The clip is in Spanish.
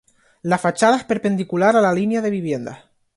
La fachada es perpendicular a la línea de viviendas.